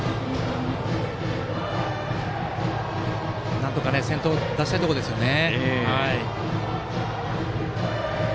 なんとか先頭を出したいところですよね。